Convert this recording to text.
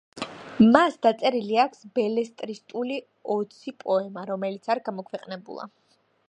მას დაწერილი აქვს ბელეტრისტული ოცი პოემა, რომელიც არ გამოქვეყნებულა.